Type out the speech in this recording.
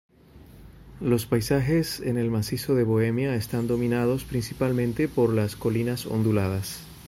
Los paisajes en el macizo de Bohemia están dominados principalmente por las colinas onduladas.